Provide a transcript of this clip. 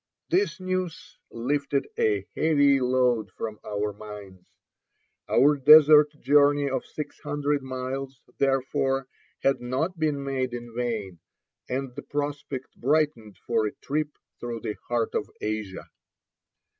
This news lifted a heavy load from our minds; our desert journey of six hundred miles, therefore, had not been made in vain, and the prospect brightened for a trip through the heart of Asia.